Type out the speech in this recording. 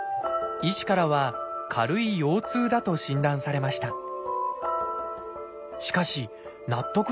医師からは「軽い腰痛」だと診断されました。